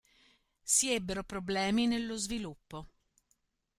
Si ebbero problemi nello sviluppo.